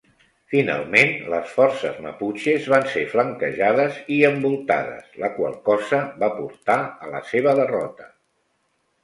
Finalment, les forces maputxes van ser flanquejades i envoltades, la qual cosa va portar a la seva derrota.